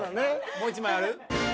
もう１枚ある？